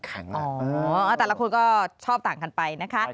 แต่ละคนก็ชอบต่างกันไปนะคะ